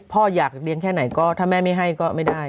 พ่ออยากเรียนแค่ไหนก็ถ้าแม่ไม่ให้ก็ไม่ได้